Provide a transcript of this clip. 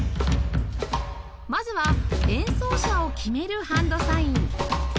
まずは演奏者を決めるハンドサイン